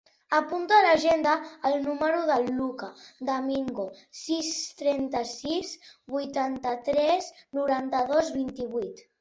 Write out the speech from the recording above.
Apunta a l'agenda el número del Lucà De Mingo: sis, trenta-sis, vuitanta-tres, noranta-dos, vint-i-vuit.